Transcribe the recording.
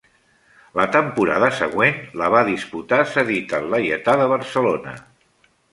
La temporada següent la va disputar cedit al Laietà de Barcelona.